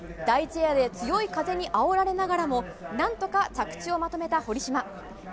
第１エアで強い風にあおられながらも何とか着地をまとめた堀島。